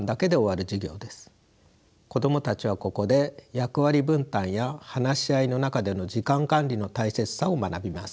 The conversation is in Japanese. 子供たちはここで役割分担や話し合いの中での時間管理の大切さを学びます。